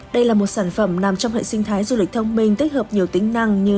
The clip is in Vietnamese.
đây là một sản phẩm nằm trong hệ sinh thái du lịch thông minh tích hợp nhiều tính năng như